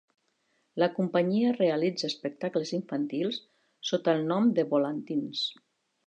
La companyia realitza espectacles infantils sota el nom de Volantins.